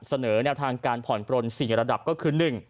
แนวทางการผ่อนปลน๔ระดับก็คือ๑